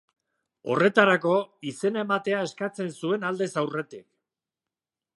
Horretarako, izena ematea eskatzen zuen aldez aurretik.